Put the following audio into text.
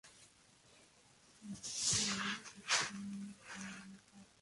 El Doctor oye el grito de Donna y llega corriendo.